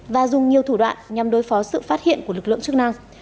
và dùng nhiều thủ đoạn nhằm đối phó sự phát hiện của lực lượng chức năng